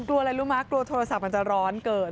กลัวอะไรรู้ไหมกลัวโทรศัพท์มันจะร้อนเกิน